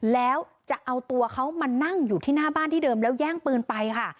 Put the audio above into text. แล้วจะเอาตัวเขามานั่งอยู่ที่หน้าบ้านที่เดิมแล้วแย่งปืนไปค่ะ